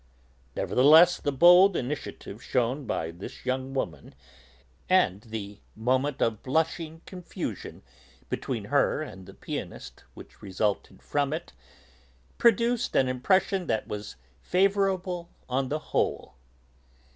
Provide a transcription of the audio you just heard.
Nevertheless the bold initiative shewn by this young woman and the moment of blushing confusion between her and the pianist which resulted from it, produced an impression that was favourable on the whole.